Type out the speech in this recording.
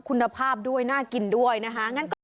คุณภาพด้วยน่ากินด้วยนะคะ